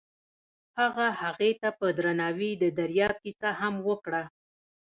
هغه هغې ته په درناوي د دریاب کیسه هم وکړه.